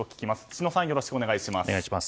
知野さん、よろしくお願いします。